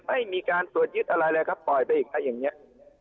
ไม่มีการตรวจยึดอะไรเลยครับปล่อยไปอีกอย่างนี้